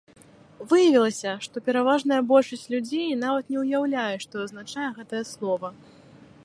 Выявілася, што пераважная большасць людзей нават не ўяўляе, што азначае гэтае слова.